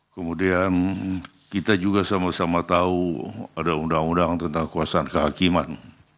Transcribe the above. kemudian kita juga sama sama tahu ada undang undang tentang kekuasaan kehakiman